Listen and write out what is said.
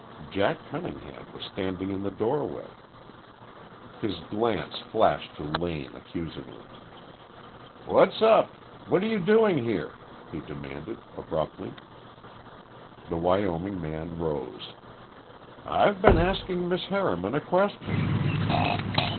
Jack Cunningham was standing in the doorway. His glance flashed to Lane accusingly. "What's up? What are you doing here?" he demanded abruptly. The Wyoming man rose. "I've been asking Miss Harriman a question."